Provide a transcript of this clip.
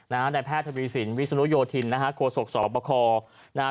ในแพทย์ธวิสินวิสุนุโยธินโกศกสอบประคอ